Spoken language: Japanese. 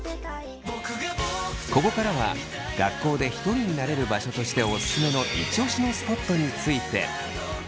ここからは学校でひとりになれる場所としてオススメのイチオシのスポットについて。